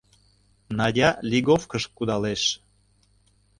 Надя Лиговкыш кудалеш.